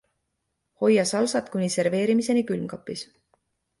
Hoia salsat kuni serveerimiseni külmkapis.